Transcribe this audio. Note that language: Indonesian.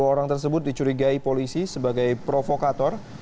dua orang tersebut dicurigai polisi sebagai provokator